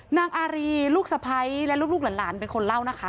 นางอารีลูกสะพ้ายและลูกหลานเป็นคนเล่านะคะ